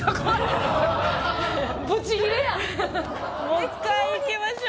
「もう一回いきましょう」。